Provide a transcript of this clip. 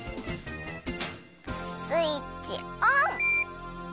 スイッチオン！